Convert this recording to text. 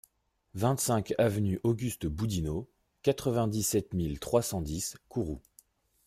vingt-cinq avenue Auguste Boudinot, quatre-vingt-dix-sept mille trois cent dix Kourou